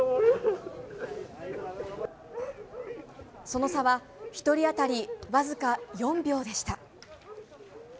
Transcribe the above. その差は１人当たり僅か４秒でした。